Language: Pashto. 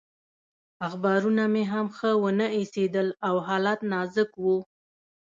اخبارونه مې هم ښه ونه ایسېدل او حالت نازک و.